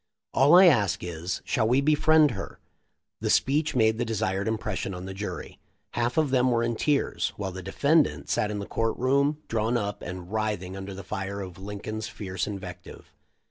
All I ask is, shall we befriend her?" The speech made the desired impression on the jury. Half of them were in tears, while the de fendant sat in the court room, drawn up and writh ing under the fire of Lincoln's fierce invective.